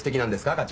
課長。